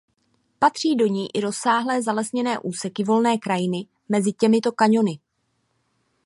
Patří do ní i rozsáhlé zalesněné úseky volné krajiny mezi těmito kaňony.